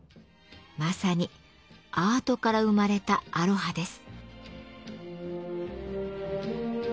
まさにアートから生まれたアロハです。